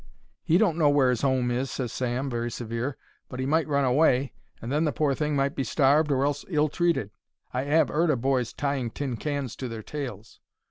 "He don't know where his 'ome is," ses Sam, very severe; "but he might run away, and then the pore thing might be starved or else ill treated. I 'ave 'eard o' boys tying tin cans to their tails."